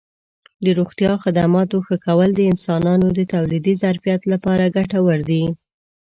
د روغتیا خدماتو ښه کول د انسانانو د تولیدي ظرفیت لپاره ګټور دي.